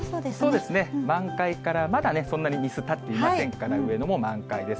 そうですね、満開からまだね、そんなに日数たっていませんから、上野も満開です。